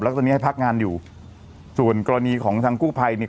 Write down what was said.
ตอนนี้ให้พักงานอยู่ส่วนกรณีของทางกู้ภัยเนี่ย